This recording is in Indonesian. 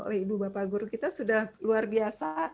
oleh ibu bapak guru kita sudah luar biasa